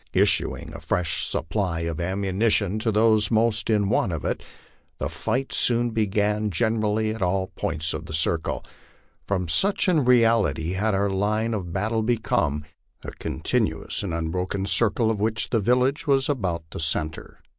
Issuing a fresh supply of ammunition to those most in want of it, the fight 1C3 LIFE ON THE PLAINS. soon began generally at all points of the circle. For such in reality had our line of battle become a continuous and unbroken circle of which the village was about the centre.